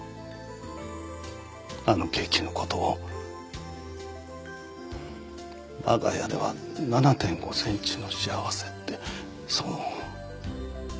あのケーキの事を我が家では「７．５センチの倖せ」ってそう。